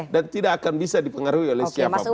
dan tidak akan bisa dipengaruhi oleh siapapun